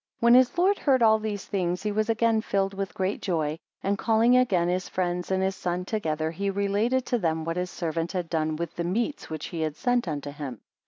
22 When his lord heard all these things, he was again filled with great joy: and calling again his friends and his son together, he related to them what his servant had done with the meats which he had sent unto him.